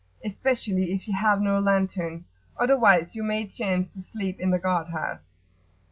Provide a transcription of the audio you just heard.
especially if you have no lantern, otherwise you may chance to sleep in the guard house.